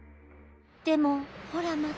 でもほらまた。